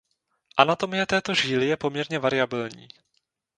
Anatomie této žíly je poměrně variabilní.